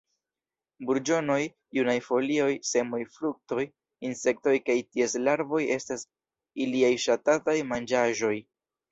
Burĝonoj, junaj folioj, semoj, fruktoj, insektoj kaj ties larvoj estas iliaj ŝatataj manĝaĵoj.